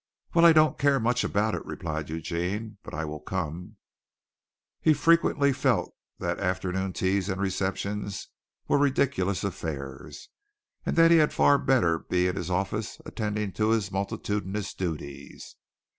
"Well, I don't care much about it," replied Eugene. "But I will come." He frequently felt that afternoon teas and receptions were ridiculous affairs, and that he had far better be in his office attending to his multitudinous duties.